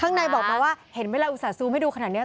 ข้างในบอกมาว่าเห็นเวลาอุซาสูตรไม่ดูขนาดนี้